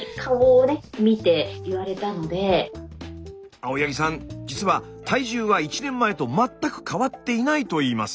青柳さん実は体重は１年前と全く変わっていないといいます。